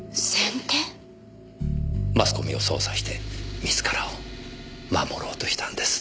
マスコミを操作して自らを守ろうとしたんです。